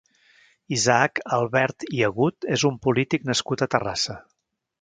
Isaac Albert i Agut és un polític nascut a Terrassa.